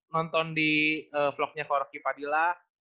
nonton di vlognya kau raky padilla